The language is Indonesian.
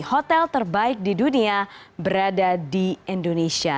hotel terbaik di dunia berada di indonesia